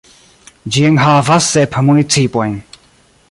Ĝi enhavas sep municipojn.